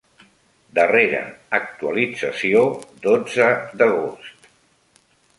Darrera actualització: dotze d'agost.